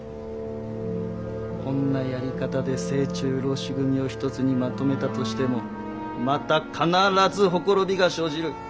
こんなやり方で精忠浪士組を一つにまとめたとしてもまた必ずほころびが生じる。